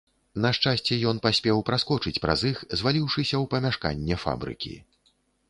На шчасце, ён паспеў праскочыць праз іх, зваліўшыся ў памяшканне фабрыкі.